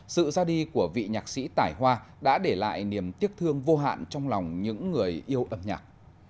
sự ra đi của vị nhạc sĩ tải hoa đã để lại niềm tiếc thương vô hạn trong lòng những người yêu âm nhạc